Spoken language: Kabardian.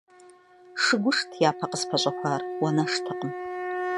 Шыгушт япэ къыспэщӀэхуар, уанэштэкъым.